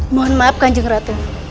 mohon maaf kanjeng ratu